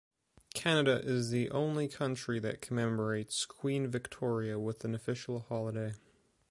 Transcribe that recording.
Canada is the only country that commemorates Queen Victoria with an official holiday.